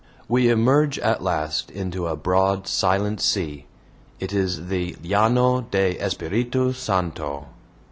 We emerge at last into a broad silent sea. It is the "LLANO DE ESPIRITU SANTO."